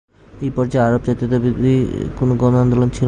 এই পর্যায়ে আরব জাতীয়তাবাদ কোনো গণ আন্দোলন ছিল না।